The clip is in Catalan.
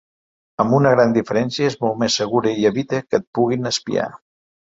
Amb una gran diferència: és molt més segura i evita que et puguin espiar.